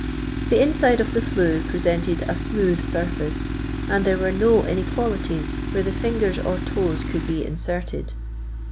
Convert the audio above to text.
The inside of the flue presented a smooth surface, and there were no inequalities where the Angers or toes could be inserted.